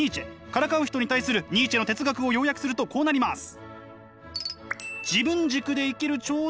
からかう人に対するニーチェの哲学を要約するとこうなります。